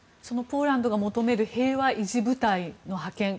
そのポーランドが求める平和維持部隊の派遣